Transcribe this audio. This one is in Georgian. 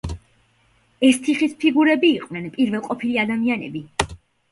ეს თიხის ფიგურები იყვნენ პირველყოფილი ადამიანები.